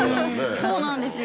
そうなんですよ。